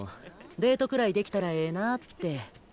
デートくらいできたらええなって。